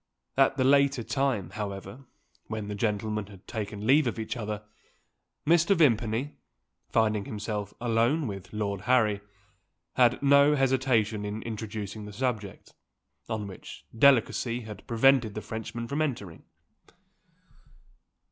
At the later time, however, when the gentlemen had taken leave of each other, Mr. Vimpany finding himself alone with Lord Harry had no hesitation in introducing the subject, on which delicacy had prevented the Frenchmen from entering.